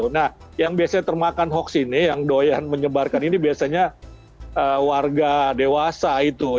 nah yang biasanya termakan hoax ini yang doyan menyebarkan ini biasanya warga dewasa itu